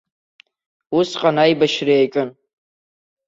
Усҟан аибашьра иаҿын.